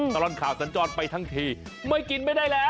ตลอดข่าวสัญจรไปทั้งทีไม่กินไม่ได้แล้ว